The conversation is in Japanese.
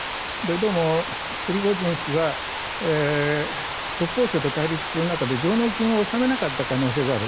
どうもプリゴジン氏は国交省と対立する中で上納金を納めなかった可能性がある。